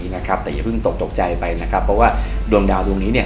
นะครับแต่อย่าเพิ่งตกตกใจไปนะครับเพราะว่าดวงดาวดวงนี้เนี่ย